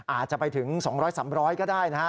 อาจจะไปถึง๒๐๐๓๐๐ก็ได้นะฮะ